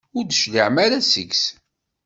Ur d-tecliɛem ara seg-s.